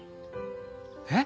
えっ！？